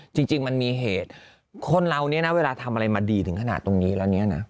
จริงมันมีเหตุคนเราเนี่ยนะเวลาทำอะไรมาดีถึงขนาดตรงนี้แล้วเนี่ยนะ